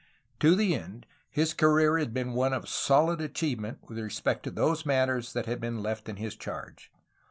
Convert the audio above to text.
To the end, his career had been one of solid achievement with respect to those matters that had been left in his charge.